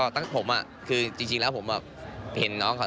ตั้งผมคือจริงแล้วผมเห็นน้องเขา